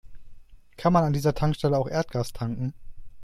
Kann man an dieser Tankstelle auch Erdgas tanken?